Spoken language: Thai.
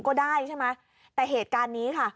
ก็ได้ใช่ไหมแต่เหตุการณ์นี้ค่ะ